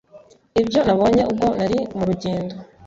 Ibyo Nabonye ubwo nari mu Rugendo